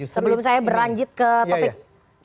sebelum saya berlanjut ke topik selanjutnya